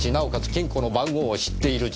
金庫の番号を知っている人物。